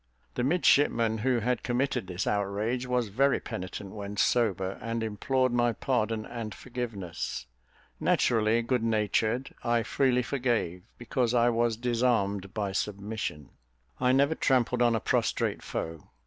The midshipman who had committed this outrage, was very penitent when sober, and implored my pardon and forgiveness. Naturally good natured, I freely forgave, because I was disarmed by submission. I never trampled on a prostrate foe.